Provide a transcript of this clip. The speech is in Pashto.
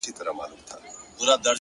صبر د وخت له سیند سره سفر دی.!